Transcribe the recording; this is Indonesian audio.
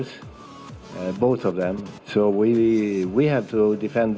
jadi kita harus melawan mereka dengan baik